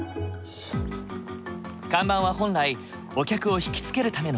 看板は本来お客を引き付けるためのもの。